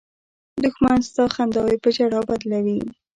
دښمن ستا خنداوې په ژړا بدلوي